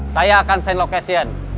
saya akan send location